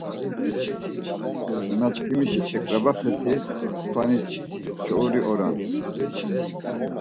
Nanaşǩimişi eǩrabapeti t̆ǩvani çouri oran.